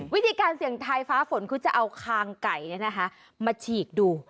วิธีการเสี่ยงทายฟ้าฝนคือจะเอาคางไก่มาฉีกดู